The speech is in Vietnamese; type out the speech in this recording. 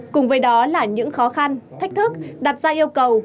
cùng với đó là những khó khăn thách thức đặt ra yêu cầu